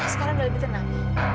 sekarang udah lebih tenang